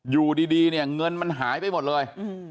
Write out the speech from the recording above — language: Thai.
อยู่ดีเนี่ยเงินมันหายไปหมดเลย